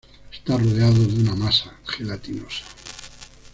Está rodeado de una masa gelatinosa.